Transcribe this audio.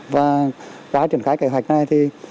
và truyền khai kế hoạch này